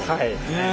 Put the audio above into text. ねえ。